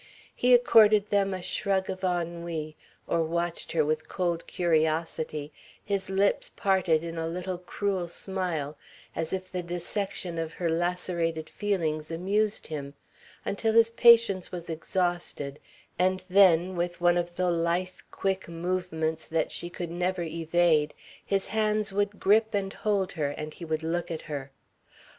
He accorded them a shrug of ennui or watched her with cold curiosity, his lips parted in a little cruel smile, as if the dissection of her lacerated feelings amused him, until his patience was exhausted, and then, with one of the lithe, quick movements that she could never evade, his hands would grip and hold her and he would look at her.